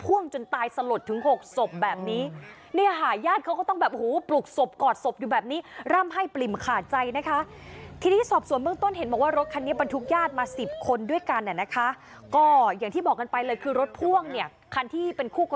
ว่ารถตู้ที่ญาตินั่งมาถูกกันมาอยู่ดิดี